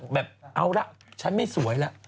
แบบเอาละฉันไม่สวยแล้ว